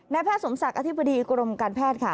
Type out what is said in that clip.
แพทย์สมศักดิ์อธิบดีกรมการแพทย์ค่ะ